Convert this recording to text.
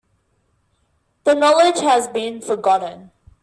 The knowledge has been forgotten.